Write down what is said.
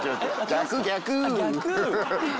逆逆。